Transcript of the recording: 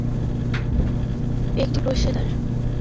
অনেক লোকেরা বলে এটি অপর পাশ দিয়ে এই বনে ঢুকার একটি প্রবেশদ্বার।